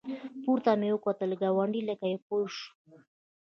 پورته مې وکتل، ګاونډي لکه چې پوه شو.